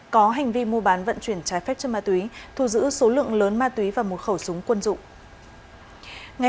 có hành vi mua bán vận chuyển trái phép chất ma túy thu giữ số lượng lớn ma túy và một khẩu súng quân dụng